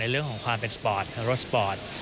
เรื่องของความเป็นสปอร์ตคาโรสปอร์ต